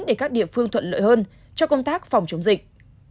để các địa phương thuận lợi hơn cho công tác phòng chống dịch